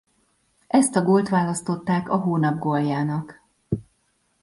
Ezt a gólt választották a hónap góljának.